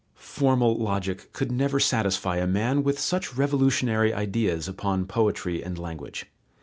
Formal logic could never satisfy a man with such revolutionary ideas upon poetry and language.